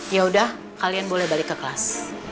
ya udah kalian boleh balik ke kelas